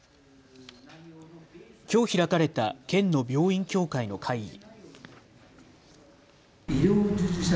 きょう開かれた県の病院協会の会議。